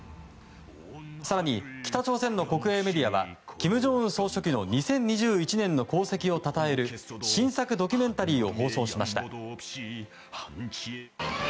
更に、北朝鮮の国営メディアは金正恩総書記の２０２１年の功績をたたえる新作ドキュメンタリーを放送しました。